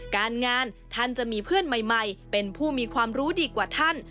การงานท่านจะมีเพื่อนใหม่เป็นผู้มีความรู้ดีกว่าท่าน